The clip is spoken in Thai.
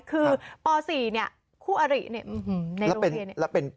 คือป๔คู่อริในโรงเรียน